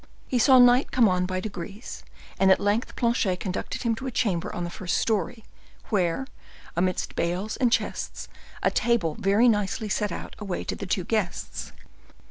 He saw night come on by degrees, and at length Planchet conducted him to a chamber on the first story, where, amidst bales and chests, a table very nicely set out awaited the two guests.